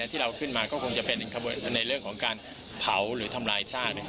ที่เราขึ้นมาก็คงจะเป็นในเรื่องของการเผาหรือทำลายซาก